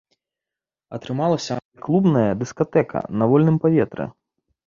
Атрымалася амаль клубная дыскатэка на вольным паветры.